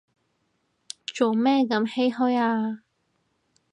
做咩咁唏噓啊